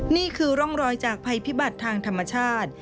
นี่คือร่องรอยจากภัยพิบัติทางธรรมชาติ